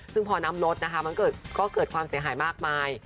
ซึ่งพอน้ำลดนะคะมันก็เกิดความเสียหายมากมาย